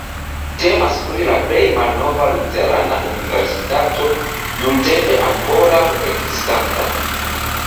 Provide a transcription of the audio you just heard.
Temas pri la plej malnova luterana universitato nuntempe ankoraŭ ekzistanta.